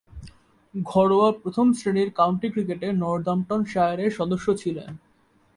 ঘরোয়া প্রথম-শ্রেণীর কাউন্টি ক্রিকেটে নর্দাম্পটনশায়ারের সদস্য ছিলেন।